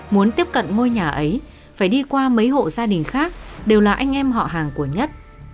muốn tiếp cận ngôi nhà ấy phải đi qua mấy hộ gia đình khác đều là anh em họ hàng của nhất